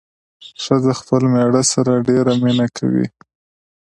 ښځه خپل مېړه سره ډېره مينه کوي